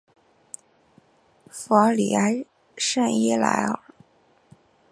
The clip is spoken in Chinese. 弗尔里埃圣伊莱尔。